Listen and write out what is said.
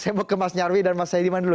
saya mau ke mas nyarwi dan mas saidiman dulu